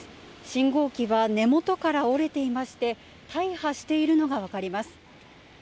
信号機は根元から折れていて大破しているのが分かります。